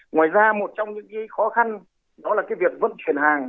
ngoài ra một trong những khó khăn đó là việc vận chuyển hàng